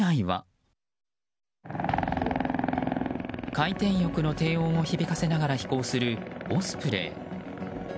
回転翼の低音を響かせながら飛行するオスプレイ。